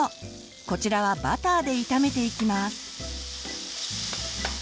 こちらはバターで炒めていきます。